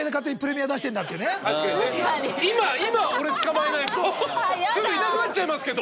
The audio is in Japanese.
確かにね「今俺つかまえないとすぐいなくなっちゃいますけど」